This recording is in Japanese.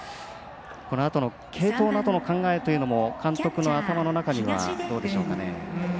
このあとの継投などの考えというのも監督の頭の中にはどうでしょうかね。